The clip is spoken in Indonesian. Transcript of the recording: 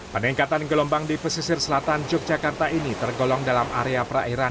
peningkatan gelombang di pesisir selatan yogyakarta ini tergolong dalam area perairan